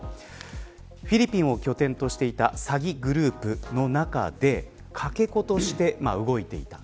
フィリピンを拠点としていた詐欺グループの中でかけ子として動いていました。